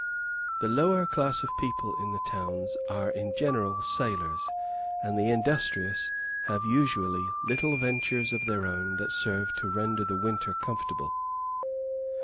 The lower class of people in the towns are in general sailors; and the industrious have usually little ventures of their own that serve to render the winter comfortable.